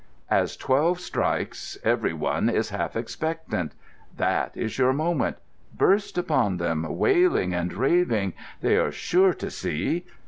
As twelve strikes every one is half expectant. That is your moment. Burst upon them, wailing and raving. They are sure to see.